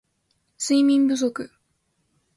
睡眠不足